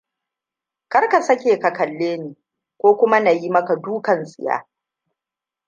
Kar ka sake ka kalleni, ko kuma yi maka dukan tsiya.